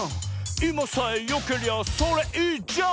「いまさえよけりゃそれいいじゃん」